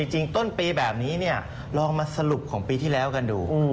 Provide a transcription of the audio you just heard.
จริงต้นปีแบบนี้ลองมาสรุปของปีที่แล้วกันดู